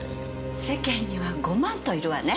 世間にはごまんといるわね。